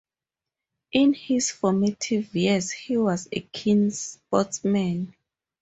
In his formative years, he was a keen sportsman.